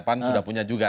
pan sudah punya juga